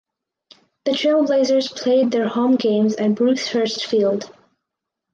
The Trailblazers played their home games at Bruce Hurst Field.